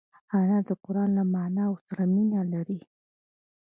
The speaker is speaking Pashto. انا د قران له معناوو سره مینه لري